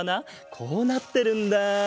こうなってるんだ。